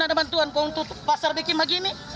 gak ada bantuan untuk pasar bikin begini